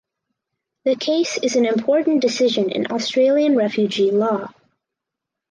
The case is an important decision in Australian refugee law.